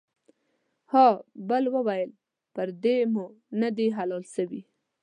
ها بل ويل پر در مو ندي حلال سوى.